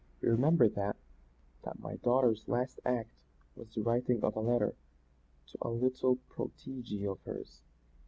You remember that that my daughter's last act was the writing of a letter to a little protegee of hers.